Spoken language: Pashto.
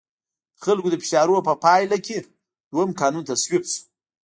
د خلکو د فشارونو په پایله کې دویم قانون تصویب شو.